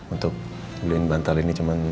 untuk beliin bantal ini cuman ga jadi jadi